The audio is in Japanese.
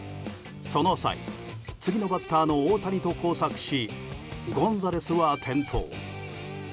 その際次のバッターの大谷と交錯しゴンザレスは転倒。